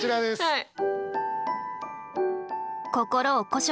はい。